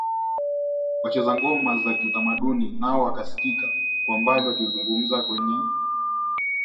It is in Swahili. Wacheza ngoma za kitamaduni nao wanaskika kwa mbali wakizunguka kwenye